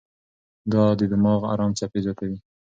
دا د دماغ ارام څپې زیاتوي.